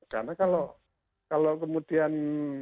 karena kalo kemudian